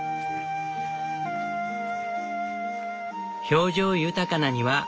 表情豊かな庭。